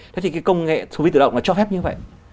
thế thì cái công nghệ thu phí tự động nó cho phép như vậy